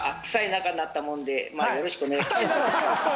よろしくお願いします。